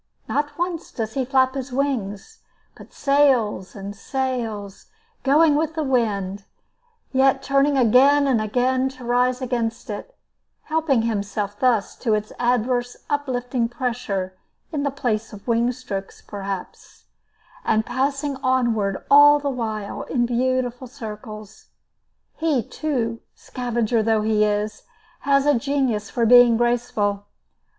Not once does he flap his wings, but sails and sails, going with the wind, yet turning again and again to rise against it, helping himself thus to its adverse, uplifting pressure in the place of wing strokes, perhaps, and passing onward all the while in beautiful circles. He, too, scavenger though he is, has a genius for being graceful.